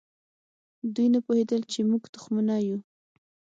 دوی نه پوهېدل چې موږ تخمونه یو.